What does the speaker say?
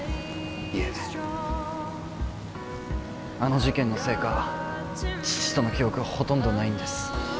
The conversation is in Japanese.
いえあの事件のせいか父との記憶はほとんどないんです